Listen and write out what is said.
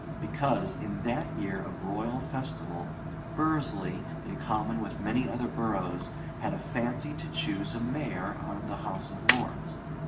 Because, in that year of royal festival, Bursley, in common with many other boroughs, had had a fancy to choose a Mayor out of the House of Lords.